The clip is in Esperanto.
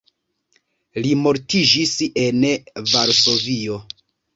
Li mortiĝis en Varsovio.